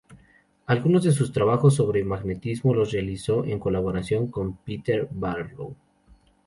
Algunos de sus trabajos sobre magnetismo los realizó en colaboración con Peter Barlow.